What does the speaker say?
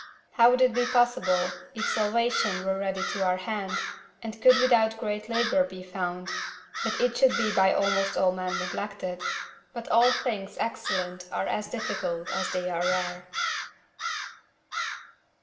How would it be possible, if salvation were ready to our hand, and could without great labour be found, that it should be by almost all men neglected? But all things excellent are as difficult as they are rare.